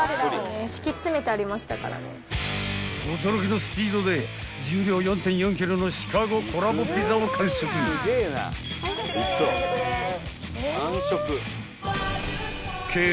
［驚きのスピードで重量４．４ｋｇのシカゴコラボピザを完食］